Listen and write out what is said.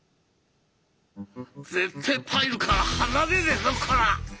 ぜってえパイルから離れねえぞコラ！